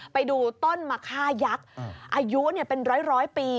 ไปดูต้นมะค่ายักษ์อายุเป็นร้อยปี